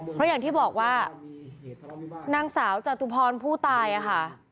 เพราะอย่างที่บอกว่านางสาวจตุพรผู้ตายค่ะ